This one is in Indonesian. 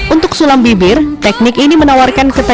untuk sulam bibir teknik ini menawarkan ketat